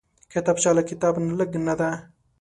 کتابچه له کتاب نه لږ نه ده